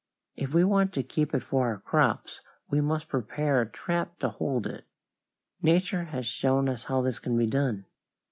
If we want to keep it for our crops, we must prepare a trap to hold it. Nature has shown us how this can be done.